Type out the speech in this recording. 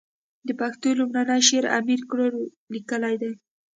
د پښتو لومړنی شعر امير کروړ ليکلی ده.